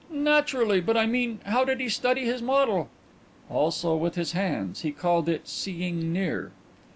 "Naturally. But, I mean, how did he study his model?" "Also with his hands. He called it 'seeing near.'"